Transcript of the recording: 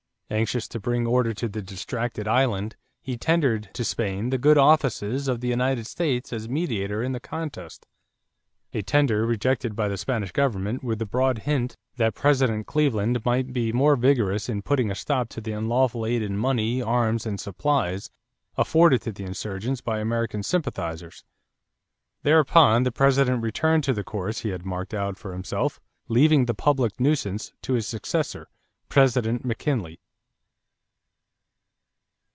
Anxious to bring order to the distracted island, he tendered to Spain the good offices of the United States as mediator in the contest a tender rejected by the Spanish government with the broad hint that President Cleveland might be more vigorous in putting a stop to the unlawful aid in money, arms, and supplies, afforded to the insurgents by American sympathizers. Thereupon the President returned to the course he had marked out for himself, leaving "the public nuisance" to his successor, President McKinley.